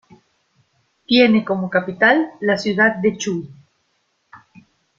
Tiene como capital la ciudad de Chuy.